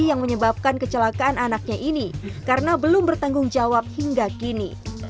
yang menyebabkan kecelakaan anaknya ini karena belum bertanggung jawab hingga kini